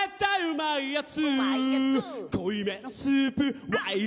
うまいやつ。